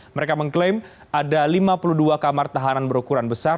mereka mengklaim ada lima puluh dua kamar tahanan berukuran besar